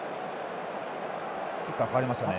キッカー代わりましたね。